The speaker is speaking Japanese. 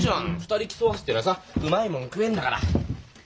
２人競わせてりゃさうまいもん食えんだから。